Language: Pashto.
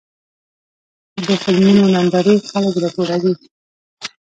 د فلمونو نندارې خلک راټولوي.